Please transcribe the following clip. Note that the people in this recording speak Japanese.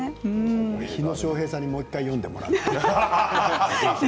火野正平さんに、もう１回読んでもらってね。